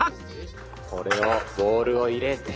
これをボールを入れて。